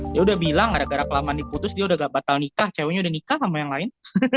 dia udah bilang gara gara kelamaan diputus dia udah gak batal nikah ceweknya udah nikah sama yang lain